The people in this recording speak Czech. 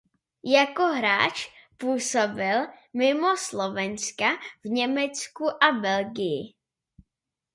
Jako hráč působil mimo Slovenska v Německu a Belgii.